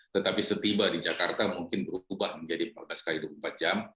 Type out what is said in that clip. tetapi setiba di jakarta mungkin berubah menjadi empat belas x dua puluh empat jam